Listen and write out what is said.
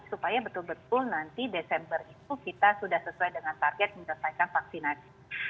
supaya betul betul nanti desember itu kita sudah sesuai dengan target menyelesaikan vaksinasi